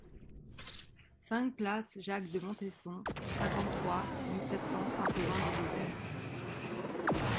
cinq place Jacques de Montesson, cinquante-trois mille sept cents Saint-Aubin-du-Désert